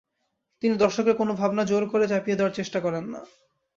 তিনি দর্শককে কোনো ভাবনা জোর করে চাপিয়ে দেওয়ার চেষ্টা করেন না।